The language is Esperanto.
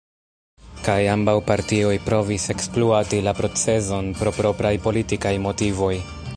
Kaj ambaŭ partioj provis ekspluati la procezon pro propraj politikaj motivoj.